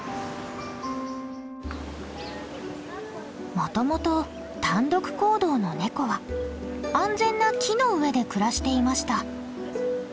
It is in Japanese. もともと単独行動のネコは安全な木の上で暮らしていました。